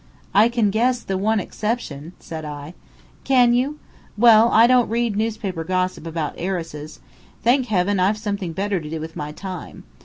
"I can guess the 'one exception'!" said I. "Can you? Well, I don't read newspaper gossip about heiresses. Thank heaven, I've something better to do with my time.